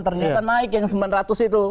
ternyata naik yang sembilan ratus itu